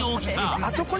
あそこに。